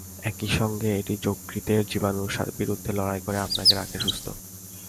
একই সঙ্গে এটি যকৃতের জীবাণুর বিরুদ্ধে লড়াই করে আপনাকে রাখে সুস্থ।